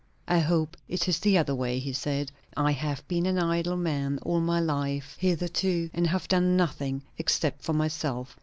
"I hope it is the other way," he said. "I have been an idle man all my life hitherto, and have done nothing except for myself.